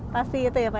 pasti itu ya pak ya